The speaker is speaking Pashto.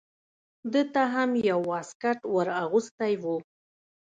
ده ته هم یو واسکټ ور اغوستی و.